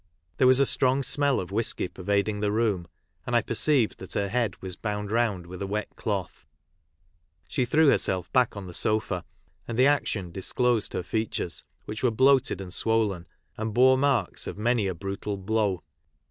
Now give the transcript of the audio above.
There was a strong smell of whisky pervading the room, and I perceived that her head was bound round with a wet cloth. She threw herself back on the sofa, and the action disclosed her features, which were bloated and swollen, and bore marks of many a brutal blow.